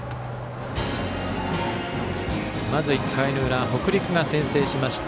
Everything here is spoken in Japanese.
まず１回の裏北陸が先制しました。